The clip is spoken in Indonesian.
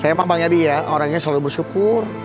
saya emang bang yadi ya orangnya selalu bersyukur